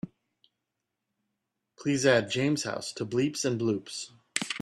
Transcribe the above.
Please add james house to bleeps & bloops